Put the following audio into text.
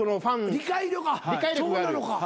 理解力そうなのか。